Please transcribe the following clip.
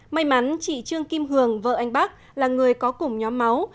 may mắn chị trương kim hường vợ anh bắc là người có cùng nhóm máu